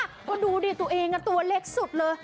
ก็ดูดิตัวเองตัวเล็กสุดเลย